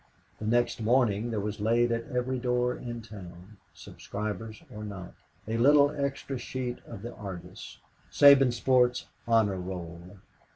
The next morning there was laid at every door in town subscribers or not a little extra sheet of the Argus Sabinsport's Honor Roll.